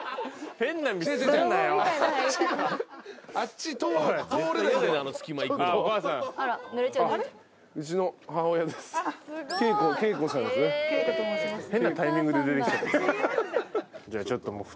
変なタイミングで出てきちゃった。